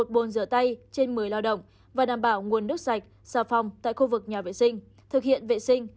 một bồn rửa tay trên một mươi lao động và đảm bảo nguồn nước sạch xào phòng tại khu vực nhà vệ sinh